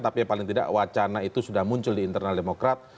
tapi paling tidak wacana itu sudah muncul di internal demokrat